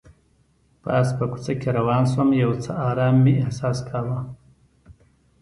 پاس په کوڅه کې روان شوم، یو څه ارام مې احساس کاوه.